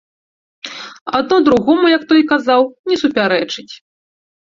Адно другому, як той казаў, не супярэчыць.